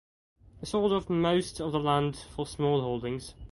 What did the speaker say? He sold off most of the land for smallholdings.